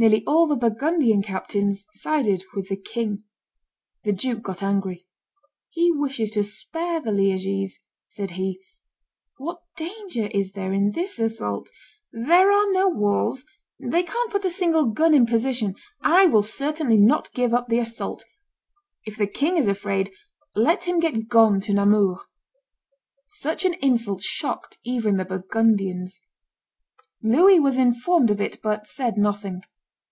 Nearly all the Burgundian captains sided with the king. The duke got angry. "He wishes to spare the Liegese," said he; "what danger is there in this assault? There are no walls; they can't put a single gun in position; I certainly will not give up the assault; if the king is afraid, let him get him gone to Namur." Such an insult shocked even the Burgundians. Louis was informed of it, but said nothing.